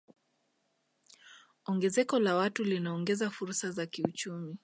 Ongezeko la watu linaongeza fursa za kiuchumi